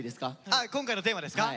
あ今回のテーマですか。